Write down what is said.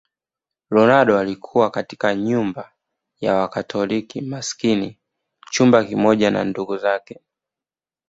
Ronaldo alikulia katika nyumba ya Wakatoliki masikini chumba kimoja na ndugu zake